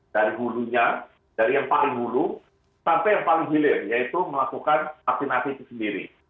dari hulunya dari yang paling hulu sampai yang paling hilir yaitu melakukan vaksinasi itu sendiri